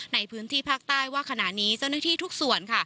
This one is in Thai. ในพื้นที่ภาคใต้ว่าขณะนี้เจ้าหน้าที่ทุกส่วน